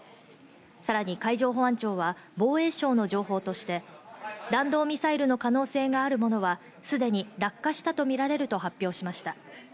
さらに海上保安庁は防衛省の情報として、弾道ミサイルの可能性があるものはすでに落下したとみられると発表しました。